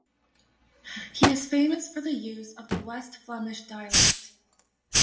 He is famous for the use of the West Flemish dialect.